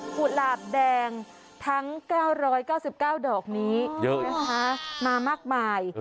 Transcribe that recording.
กุหลาบแดงทั้ง๙๙๙ดอกนี้มามากมาย